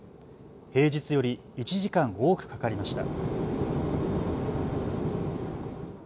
平日より１時間多くかかりました。